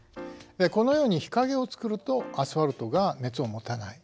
このように日陰を作るとアスファルトが熱を持たない。